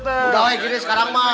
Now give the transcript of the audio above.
udah gini sekarang mau